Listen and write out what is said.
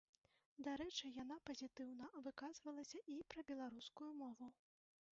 Дарэчы, яна пазітыўна выказвалася і пра беларускую мову.